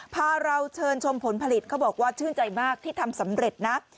พาเราเชิญชมผลผลิตเขาบอกว่าชื่นใจมากที่ทำสำเร็จนะ